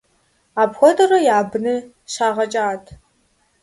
Апхуэдэурэ я быныр щагъэкӀат.